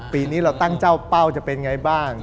ปีนี้เราตั้งเจ้าเป้าจะเป็นไงบ้าง